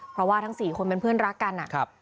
เพราะว่าทั้ง๔คนเป็นเพื่อนรักกันอะ